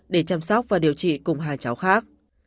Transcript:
để chăm sóc và điều trị cùng hai cháu khác